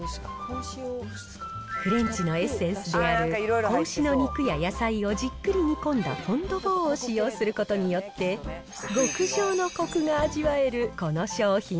フレンチのエッセンスである子牛の肉や野菜をじっくり煮込んだフォンドボーを使用することによって、極上のコクが味わえるこの商品。